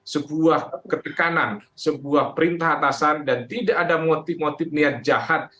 sebuah ketekanan sebuah perintah atasan dan tidak ada motif motif niat jahat